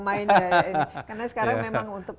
main karena sekarang memang untuk